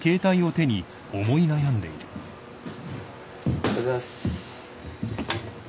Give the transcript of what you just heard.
おはようございます。